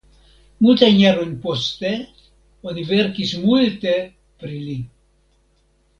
Multajn jarojn poste oni verkis multe pri li.